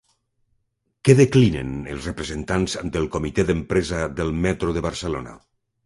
Què declinen els representants del Comitè d'empresa del Metro de Barcelona?